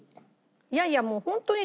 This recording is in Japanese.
いやいやもうホントに。